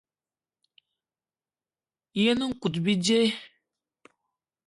Yen nkout bíjé.